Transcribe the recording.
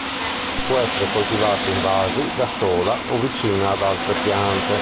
Può essere coltivata in vasi, da sola o vicina ad altre piante.